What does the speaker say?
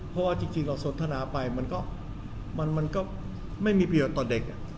เพราะว่าจริงเราสนทนาไปมันก็ไม่มีประโยชน์ต่อเด็ก